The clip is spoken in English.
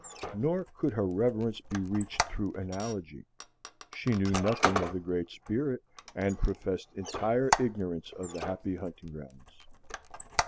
Nor could her reverence be reached through analogy; she knew nothing of the Great Spirit, and professed entire ignorance of the Happy Hunting Grounds.